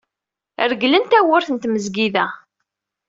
Reglen tawwurt n tmezgida.